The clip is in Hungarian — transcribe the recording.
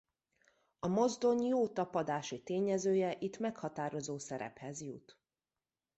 A mozdony jó tapadási tényezője itt meghatározó szerephez jut.